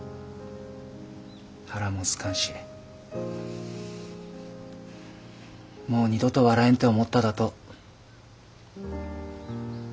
腹もすかんしもう二度と笑えんて思っただとう。